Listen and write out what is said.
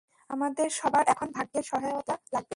আমাদের সবার এখন ভাগ্যের সহায়তা লাগবে।